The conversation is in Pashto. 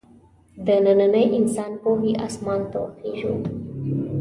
د ننني انسان پوهې اسمان ته وخېژو.